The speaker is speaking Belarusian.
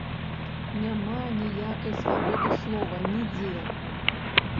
Няма ніякай свабоды слова нідзе.